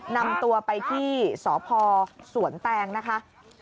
นำตัวไปที่สพสวนแตงนะคะ